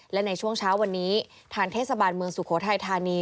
และในช่วงเช้าวันนี้ทางเทศบาลเมืองสุโขทัยธานี